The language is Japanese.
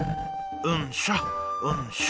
うんしょうんしょ。